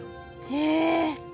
へえ！